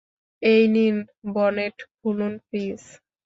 এই নিন, বনেট খুলুন, প্লিজ।